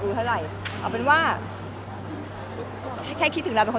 จริงวันนั้นได้ยินถึงแมวร้อง